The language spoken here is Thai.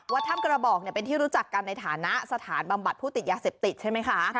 ถ้ำกระบอกเป็นที่รู้จักกันในฐานะสถานบำบัดผู้ติดยาเสพติดใช่ไหมคะ